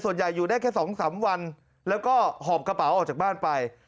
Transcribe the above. ส่วนใหญ่อยู่ได้แค่๒๓วันแล้วก็หอบกระเป๋าออกจากบ้านไป